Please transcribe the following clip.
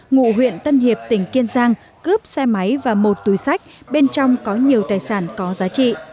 ngụ huyện tân hiệp tỉnh kiên giang cướp xe máy và một túi sách bên trong có nhiều tài sản có giá trị